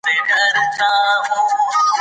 چي وو به نرم د مور تر غېږي